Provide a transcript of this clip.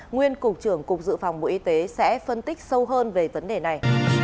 nguyên cục trưởng cục dự phòng bộ y tế sẽ phân tích sâu hơn về vấn đề này